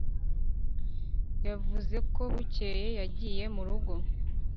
yavuze ko bukeye yagiye mu rugo.